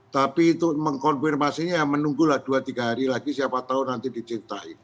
tapi itu mengkonfirmasinya ya menunggulah dua tiga hari lagi siapa tahu nanti diciptain